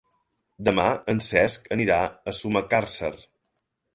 Demà en Cesc anirà a Sumacàrcer.